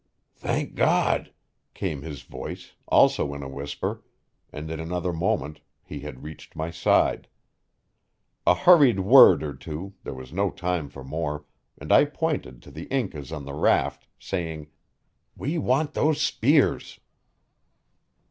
"Thank God!" came his voice, also in a whisper; and in another moment he had reached my side. A hurried word or two there was no time for more and I pointed to the Incas on the raft, saying: "We want those spears."